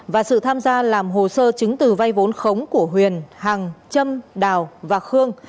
và sự tham gia làm hồ sơ chứng từ vây vốn khống của huyền hằng châm đào và khương